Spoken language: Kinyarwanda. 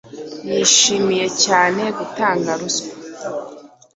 Yishimiye cyane gutanga ruswa.